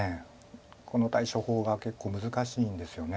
この対処法が結構難しいんですよね。